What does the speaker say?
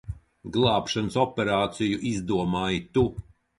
Glābšanas operāciju izdomāji tu.